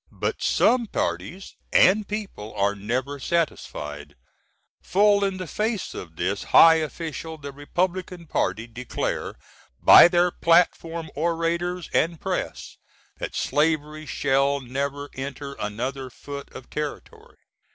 But some parties and people are never satisfied. Full in the face of this high official the Repub^n Party declare by their Platform orators, & Press, that slavery shall never enter another foot of territory.